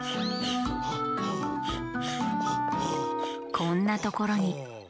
こんなところにベンチ？